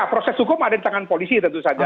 proses hukum ada di tangan polisi tentu saja